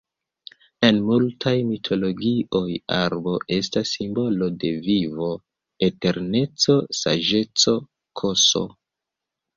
En multaj mitologioj arbo estas simbolo de vivo, eterneco, saĝeco, ks.